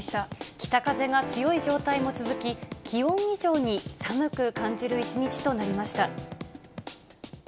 北風が強い状態も続き、気温以上に寒く感じる一日となりました。